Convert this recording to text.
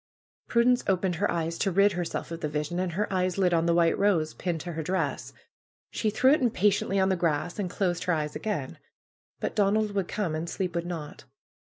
Prudence opened her eyes to rid herself of the vision, and her eyes lit on the white rose pinned to her dress. She threw it impatiently on the grass, and closed her eyes again. But Donald would come and sleep would not.